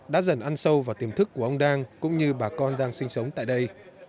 đã dần ăn sâu vào tiềm thức của ông đang cũng như bà con đang sinh sống tại đây